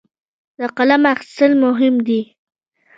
د قلم اخیستل مهم دي.